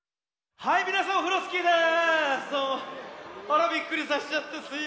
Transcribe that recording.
はいみなさんオフロスキーです。